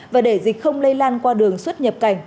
và để dịch không lây lan qua đường xuất nhập cảnh